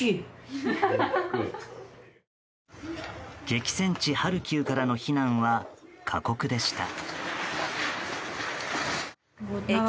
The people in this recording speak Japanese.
激戦地ハルキウからの避難は過酷でした。